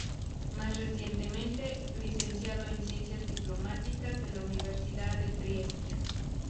Más recientemente, Licenciado en Ciencias Diplomáticas de la Universidad de Trieste.